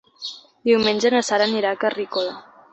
Diumenge na Sara anirà a Carrícola.